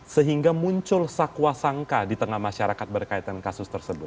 sehingga muncul sakuasangka di tengah masyarakat berkaitan kasus tersebut